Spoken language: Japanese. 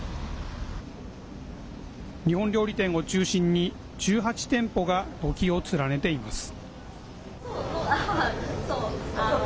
日本料理店を中心に１８店舗が軒を連ねています。